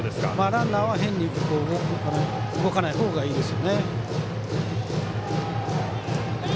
ランナーは変に動かない方がいいですよね。